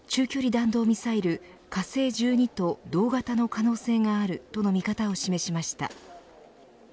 弾道ミサイル火星１２と同型の可能性があるとの見方を示しました。